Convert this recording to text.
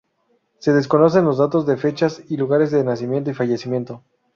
Se desconocen los datos de fechas y lugares de nacimiento y fallecimiento.